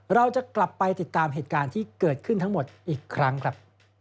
เราจะกลับไปติดตามเหตุการณ์ที่เกิดขึ้นทั้งหมดอีกครั้งครับ